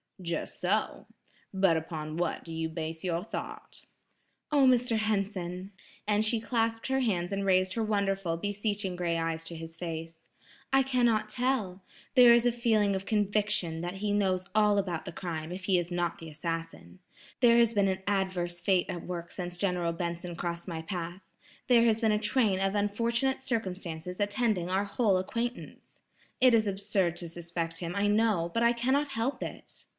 "Just so. But upon what do you base your thought?" "Oh, Mr. Henson," and she clasped her hands and raised her wonderful, beseeching gray eyes to his face, "I can not tell. There is a feeling of conviction that he knows all about the crime if he is not the assassin. There has been an adverse fate at work since General Benson crossed my path. There has been a train of unfortunate circumstances attending our whole acquaintance. It is absurd to suspect him I know, but I cannot help it."